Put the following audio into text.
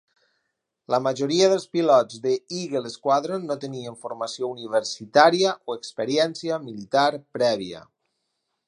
La majoria dels pilots de Eagle Squadron no tenien formació universitària o experiència militar prèvia.